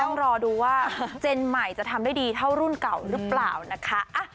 ต้องรอดูว่าเจนใหม่จะทำได้ดีเท่ารุ่นเก่าหรือเปล่านะคะ